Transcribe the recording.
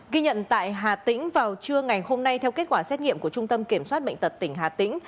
ghi nhận tại hà tĩnh vào trưa ngày hôm nay theo kết quả xét nghiệm của trung tâm kiểm soát bệnh tật tỉnh hà tĩnh